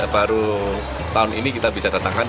baru tahun ini kita bisa datangkan